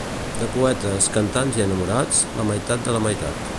De poetes, cantants i enamorats, la meitat de la meitat.